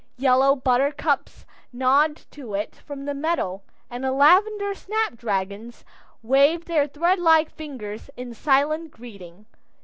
Yellow buttercups nod to it from the meadow, and the lavender snap dragons wave their threadlike fingers in silent greeting.